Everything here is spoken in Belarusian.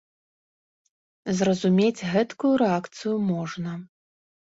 Зразумець гэткую рэакцыю можна.